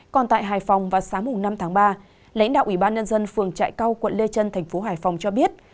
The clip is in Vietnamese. còn tại hải phòng vào sáng năm tháng ba lãnh đạo ủy ban nhân dân phường trại cao quận lê trân thành phố hải phòng cho biết